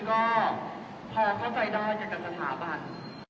ตอนนี้พูดไปเมื่อเมื่อกี้ก็พอเข้าใจได้จากสถาบัน